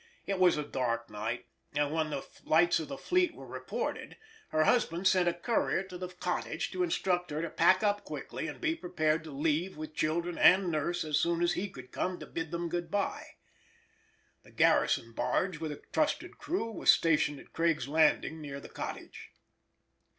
It was a dark night, and when the lights of the fleet were reported her husband sent a courier to the cottage to instruct her to pack up quickly and be prepared to leave with children and nurse as soon as he could come to bid them good bye. The garrison barge, with a trusted crew, was stationed at Craig's Landing, near the cottage.